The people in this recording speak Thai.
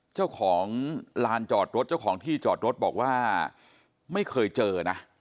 เจ้าของลานจอดรถเจ้าของที่จอดรถบอกว่าไม่เคยเจอนะ